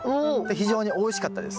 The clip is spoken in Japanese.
非常においしかったです。